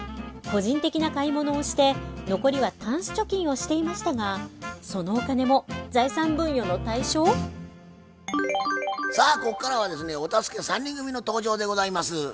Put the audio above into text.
個人的な買い物をして残りはタンス貯金をしていましたがそのお金もさあここからはですねお助け３人組の登場でございます。